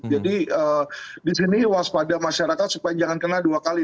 jadi di sini waspada masyarakat supaya jangan kena dua kali